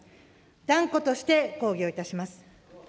断固として抗議をいたします。